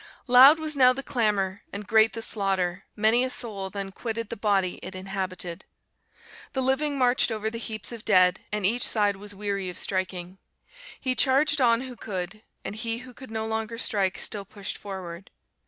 "Loud was now the clamour, and great the slaughter; many a soul then quitted the body it inhabited. The living marched over the heaps of dead, and each side was weary of striking. He charged on who could, and he who could no longer strike still pushed forward.